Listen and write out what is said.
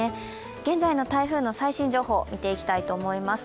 現在の台風の最新情報見ていきたいと思います。